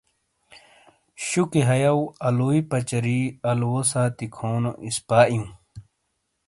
شُکی ہَئیو آلُوئی پَچاری آلُوو سانتی کھونو اِسپا اِیوں۔